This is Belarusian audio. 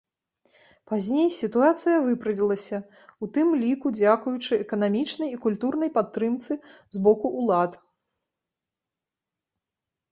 Пазней сітуацыя выправілася, у тым ліку дзякуючы эканамічнай і культурнай падтрымцы з боку ўлад.